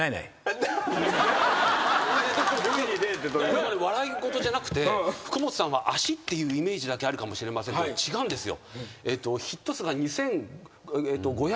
これ笑い事じゃなくて福本さんは足っていうイメージだけあるかもしれませんけど違うんですよ。